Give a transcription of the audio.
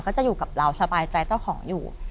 จะอยู่กับเราสบายใจเจ้าของอยู่